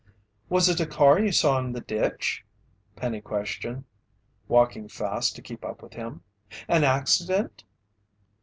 "Was it a car you saw in the ditch?" Penny questioned, walking fast to keep up with him. "An accident?"